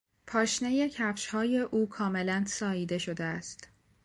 پاشنهی کفشهای او کاملا ساییده شده است.